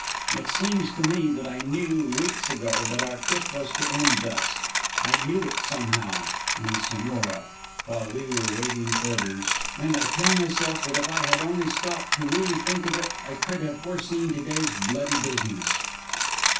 It seems to me that I knew, weeks ago, that our trip was to end thus. I knew it somehow in Sonora, while we were waiting orders, and I tell myself that if I had only stopped to really think of it I could have foreseen today's bloody business.